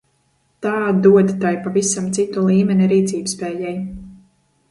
Tā dod tai pavisam citu līmeni rīcībspējai!